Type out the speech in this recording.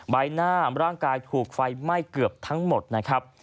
ใบหน้าร่างกายถูกไฟไหม้เกือบทั้งหมดนะครับ